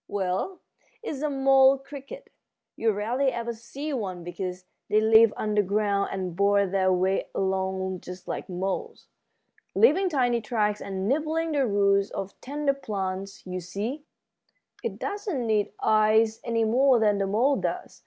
"Well, it's a mole cricket. You rarely ever see one because they live underground and bore their way along just like moles, leaving tiny tracks and nibbling the roots of tender plants. You see, it doesn't need eyes any more than the mole does.